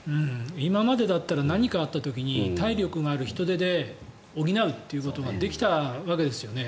今までだったら何かあった時に体力がある人手で補うことができたわけですよね。